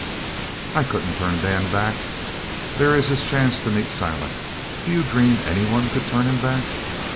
"I couldn't turn Dan back. There is his chance to meet Silent. Do you dream any one could turn him back?"